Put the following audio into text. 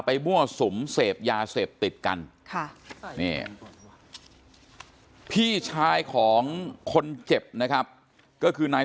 มั่วสุมเสพยาเสพติดกันค่ะนี่พี่ชายของคนเจ็บนะครับก็คือนาย